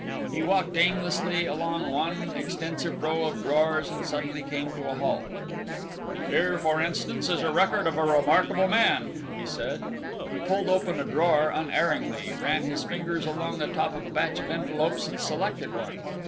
He walked aimlessly along one extensive row of drawers, and suddenly came to a halt. "Here, for instance, is a record of a remarkable man," he said. He pulled open a drawer unerringly, ran his fingers along the top of a batch of envelopes and selected one.